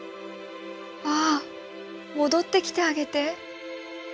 ああ戻ってきてあげて。